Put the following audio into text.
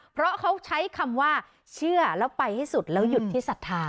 เพราะเขาใช้คำว่าเชื่อแล้วไปให้สุดแล้วหยุดที่ศรัทธา